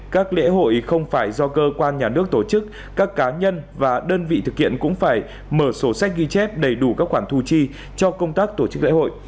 các lễ hội không phải do cơ quan nhà nước tổ chức các cá nhân và đơn vị thực hiện cũng phải mở sổ sách ghi chép đầy đủ các khoản thu chi cho công tác tổ chức lễ hội